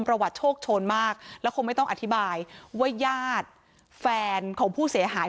โชคโชนมากแล้วคงไม่ต้องอธิบายว่าญาติแฟนของผู้เสียหาย